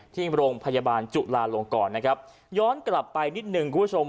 ที่โรงพยาบาลจุลาลงกรนะครับย้อนกลับไปนิดหนึ่งคุณผู้ชม